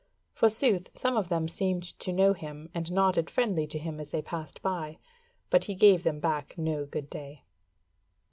Forsooth, some of them seemed to know him, and nodded friendly to him as they passed by, but he gave them back no good day.